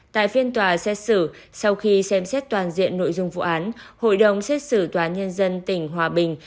tại phiên tòa xét xử sau khi xem xét toàn diện nội dung vụ án hội đồng xét xử tòa nhân dân tỉnh hòa bình